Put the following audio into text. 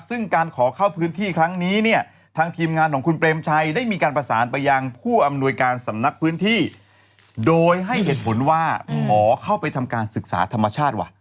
ซึ่งการขอเข้าพื้นที่ครั้งนี้เนี่ยทางทีมงานของคุณเปรมชัยได้มีการประสานไปยังผู้อำนวยการสำนักพื้นที่โดยให้เหตุผลว่าขอเข้าไปทำการศึกษาธรรมชาติว่ะ